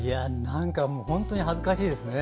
本当に恥ずかしいですね。